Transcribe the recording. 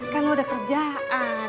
kan lo ada kerjaan